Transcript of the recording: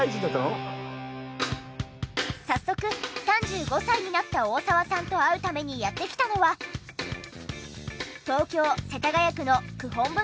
早速３５歳になった大澤さんと会うためにやって来たのは東京世田谷区の九品仏駅前。